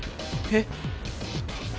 えっ？